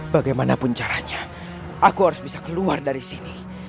bagaimanapun caranya aku harus bisa keluar dari sini